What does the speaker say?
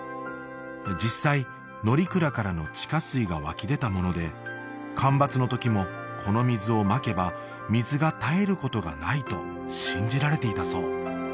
実際乗鞍からの地下水が湧き出たもので干ばつのときもこの水をまけば水が絶えることがないと信じられていたそう